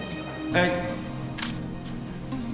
・はい。